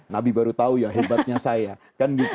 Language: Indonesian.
nabi baru tahu ya hebatnya saya